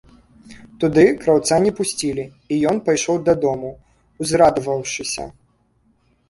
Туды краўца не пусцілі, і ён пайшоў дадому, узрадаваўшыся.